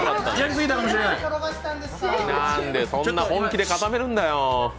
なんでそんな本気で固めるんだよ。